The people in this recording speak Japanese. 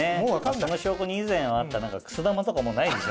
その証拠に以前はあったくす玉とかもないでしょ。